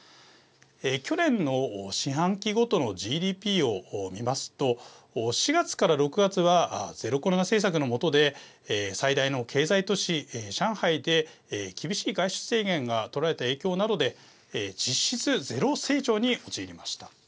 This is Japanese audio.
去年の四半期ごとのＧＤＰを見ますと４月から６月はゼロコロナ政策の下で最大の経済都市、上海で厳しい外出制限が取られた影響などで実質ゼロ成長に陥りました。